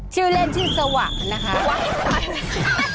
ชื่อเล่นชื่อสวะนะคะ